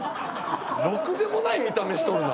ろくでもない見た目しとるな